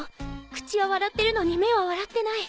口は笑ってるのに目は笑ってない。